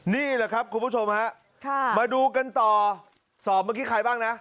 นี่แหละครับคุณผู้ชมฮะมาดูกันต่อสอบเมื่อกี้ใครบ้างนะ